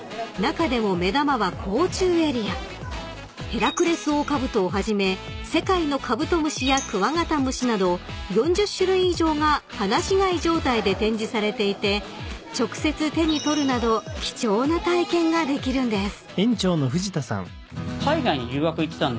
［ヘラクレスオオカブトをはじめ世界のカブトムシやクワガタムシなど４０種類以上が放し飼い状態で展示されていて直接手に取るなど貴重な体験ができるんです］